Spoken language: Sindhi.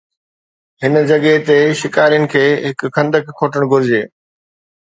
هن جڳهه تي، شڪارين کي هڪ خندق کوٽڻ گهرجي